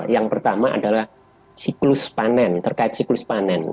yang pertama adalah siklus panen terkait siklus panen